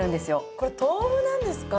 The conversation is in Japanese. これ豆腐なんですか？